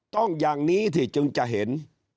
อย่างนี้ที่จึงจะเห็น